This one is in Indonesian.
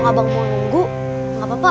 kalau abang abang mau nunggu gak apa apa